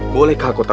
bolehkah aku tanya